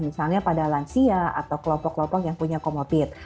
misalnya pada lansia atau kelompok kelompok yang punya comorbid